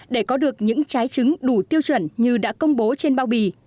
để có được những trái trứng đủ tiêu chuẩn như đã công bố trên bao bì